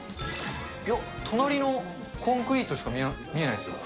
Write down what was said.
いや、隣のコンクリートしか見えないですよ。